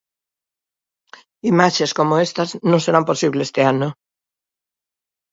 Imaxes como estas non serán posibles este ano.